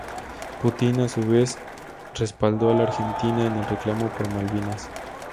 Putin a su vez respaldó a la Argentina en el reclamo por Malvinas.